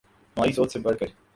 ہماری سوچ سے بڑھ کر